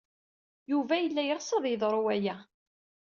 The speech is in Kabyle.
Yuba yella yeɣs ad yeḍru waya.